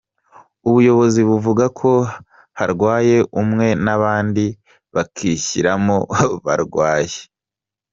Ubuyobozi buvuga ko harwaye umwe n’abandi bakishyiramo ko barwaye.